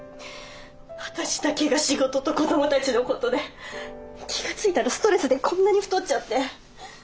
私だけが仕事と子供たちのことで気が付いたらストレスでこんなに太っちゃって。